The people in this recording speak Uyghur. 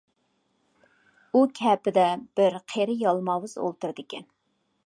ئۇ كەپىدە بىر قېرى يالماۋۇز ئولتۇرىدىكەن.